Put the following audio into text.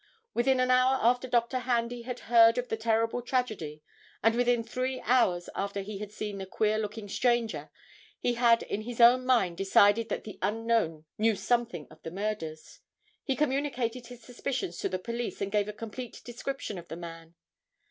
Within an hour after Dr. Handy had heard of the terrible tragedy and within three hours after he had seen the queer looking stranger he had in his own mind decided that the unknown knew something of the murders. He communicated his suspicions to the police and gave a complete description of the man.